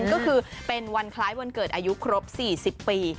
ก็คือเป็นวันคล้ายวันเกิดอายุครบ๔๐ปี